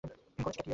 করছেটা কী ও?